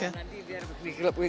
iya nanti biar dikelop kelop